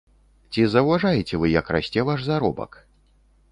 Ці заўважаеце вы, як расце ваш заробак?